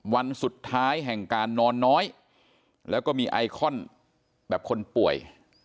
วันสุดท้ายแห่งการนอนน้อยแล้วก็มีไอคอนแบบคนป่วย